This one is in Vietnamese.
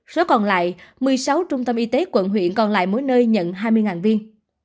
số còn lại một mươi sáu trung tâm y tế quận huyện còn lại mỗi nơi nhận hai mươi viên